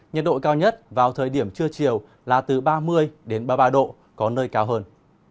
nhiệt độ cao nhất vào thời điểm trưa chiều là từ ba mươi đến ba mươi ba độ có nơi cao hơn